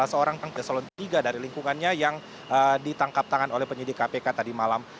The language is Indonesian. salah seorang pengusaha eselon tiga dari lingkungannya yang ditangkap tangan oleh penyidik kpk tadi malam